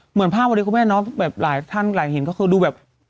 เหมือนภาพวันนี้คุณแม่เนาะแบบหลายท่านหลายเห็นก็คือดูแบบ